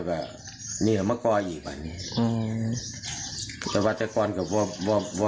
อุดมคลั่งหนักเลย